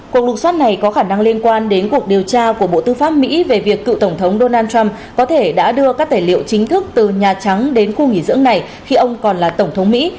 cuộc đột xót này có khả năng liên quan đến cuộc điều tra của bộ tư pháp mỹ về việc cựu tổng thống donald trump có thể đã đưa các tài liệu chính thức từ nhà trắng đến khu nghỉ dưỡng này khi ông còn là tổng thống mỹ